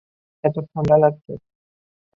এত ঠাণ্ডা লাগছে।